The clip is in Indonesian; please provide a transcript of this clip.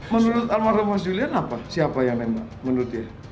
menurut almarhum mas julian apa siapa yang nembak menurut dia